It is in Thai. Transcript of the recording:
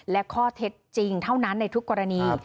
และข้อเท็จจริงเท่านั้นในทุกกรณี